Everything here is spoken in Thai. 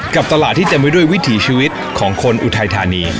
กับตลาดที่เต็มไปด้วยวิถีชีวิตของคนอุทัยธานี